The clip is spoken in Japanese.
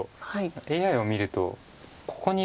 ＡＩを見るとここに打つって。